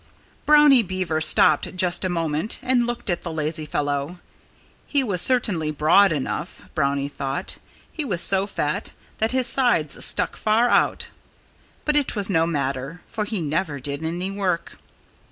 Brownie Beaver stopped just a moment and looked at the lazy fellow. He was certainly broad enough, Brownie thought. He was so fat that his sides stuck far out. But it was no wonder for he never did any work.